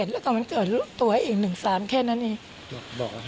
แล้วก็วันเกิดตัวเอง๑๓แค่นั้นอีก